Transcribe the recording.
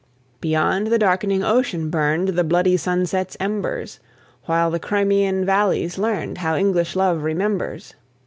Beyond the darkening ocean burned The bloody sunset's embers, While the Crimean valleys learned How English love remembers.